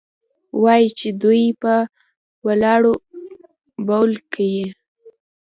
وايي چې دوى په ولاړو بول كيې؟